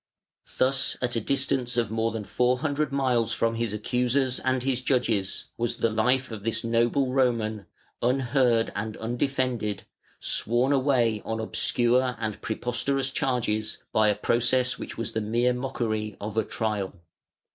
Thus at a distance of more than four hundred miles from his accusers and his judges was the life of this noble Roman, unheard and undefended, sworn away on obscure and preposterous charges by a process which was the mere mockery of a trial.